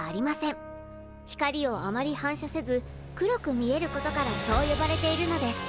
光をあまり反射せず黒く見えることからそう呼ばれているのです。